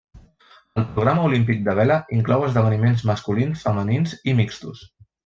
El programa olímpic de vela inclou esdeveniments masculins, femenins i mixtos.